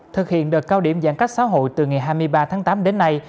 thực hiện đợt cao điểm giãn cách xã hội từ ngày hai mươi ba tháng tám đến nay